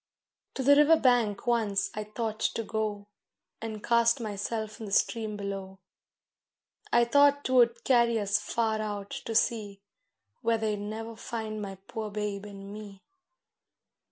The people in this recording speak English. To the river bank once I thought to go, And cast myself in the stream below; I thought 'twould carry us far out to sea, Where they'd never find my poor babe and me.